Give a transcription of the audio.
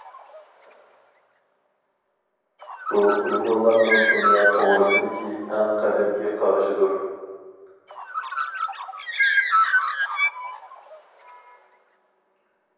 بۇ ئۇيغۇرلارنىڭ دۇنيا توغرىسىدىكى ئەڭ قەدىمكى قارىشىدۇر.